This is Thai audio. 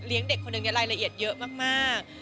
เด็กคนหนึ่งในรายละเอียดเยอะมาก